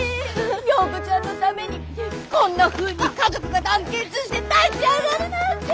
涼子ちゃんのためにこんなふうに家族が団結して立ち上がるなんて。